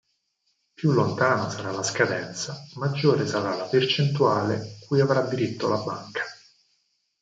Più lontana sarà la scadenza, maggiore sarà la percentuale cui avrà diritto la banca.